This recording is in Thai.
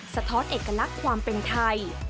สะท้อนเอกลักษณ์ความเป็นไทย